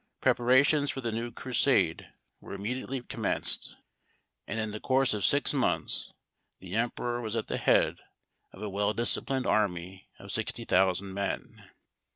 Preparations for the new Crusade were immediately commenced, and in the course of six months the emperor was at the head of a well disciplined army of sixty thousand men.